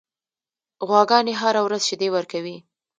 غواګانې هره ورځ شیدې ورکوي.